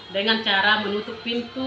dengan cara menutup pintu